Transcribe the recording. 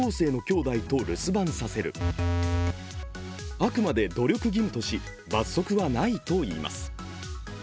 あくまで努力義務とし罰則はないといいます。